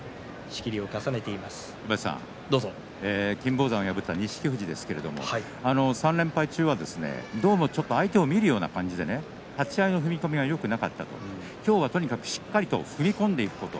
金峰山を破った錦富士ですけれども３連敗中はどうも相手を見るような立ち合いで立ち合いの踏み込みがよくなかった今日はとにかくしっかりと踏み込んでいくこと